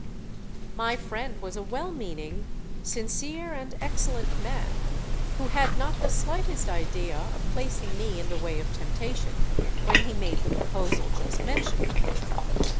My friend was a well meaning, sincere, and excellent man, who had not the slightest idea of placing me in the way of temptation when he made the proposal just mentioned.